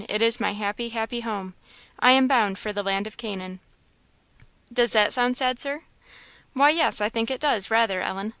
It is my happy, happy home! I am bound for the land of Canaan." "Does that sound sad, Sir?" "Why yes,I think it does, rather, Ellen.